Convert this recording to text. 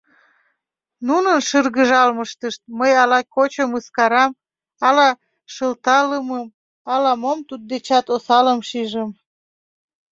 Нунын шыргыжалмыштышт мый ала кочо мыскарам, ала шылталымым, ала-мом туддечат осалым шижым.